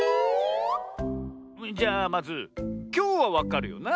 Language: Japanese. じゃあまずきょうはわかるよな？